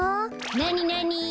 なになに？